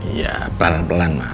iya pelan pelan ma